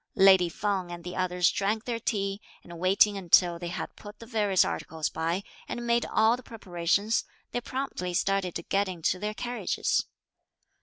Lady Feng and the others drank their tea, and waiting until they had put the various articles by, and made all the preparations, they promptly started to get into their carriages.